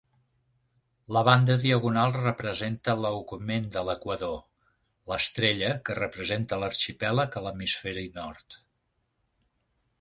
La banda diagonal representa l'augment de l'equador, l'estrella, que representa l'arxipèlag a l'hemisferi nord.